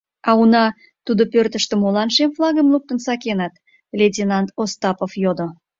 — А уна тудо пӧртыштӧ молан шем флагым луктын сакеныт? — лейтенант Остапов йодо.